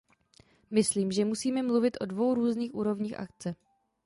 Myslím, že musíme mluvit o dvou různých úrovních akce.